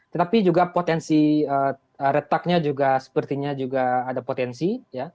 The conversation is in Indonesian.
tetapi juga potensi retaknya juga sepertinya juga ada potensi